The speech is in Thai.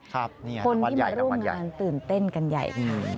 คนที่มาร่วมงานตื่นเต้นกันใหญ่เลย